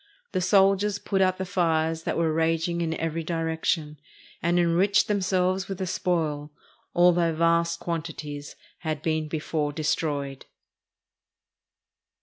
The soldiers put out the fires that were raging in every direction, and enriched themselves with the spoil, although vast quantities had been before destroyed.